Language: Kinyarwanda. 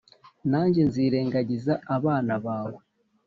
nanjye nzirengagiza abana bawe.